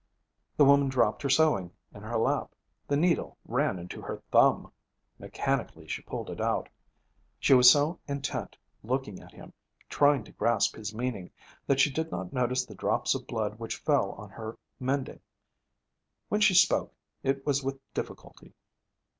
The woman dropped her sewing in her lap. The needle ran into her thumb. Mechanically, she pulled it out. She was so intent, looking at him, trying to grasp his meaning, that she did not notice the drops of blood which fell on her mending. When she spoke, it was with difficulty.